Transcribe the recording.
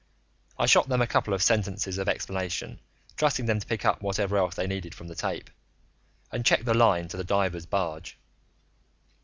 I shot them a couple of sentences of explanation, trusting them to pick up whatever else they needed from the tape, and checked the line to the divers' barge.